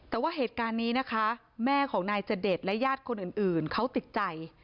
แต่ว่าเหตุการณ์นี้นะคะแม่ของนายจเดชและญาติคนอื่นเขาติดใจ